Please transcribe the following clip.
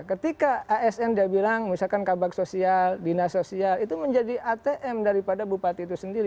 ketika asn dia bilang misalkan kabak sosial dinas sosial itu menjadi atm daripada bupati itu sendiri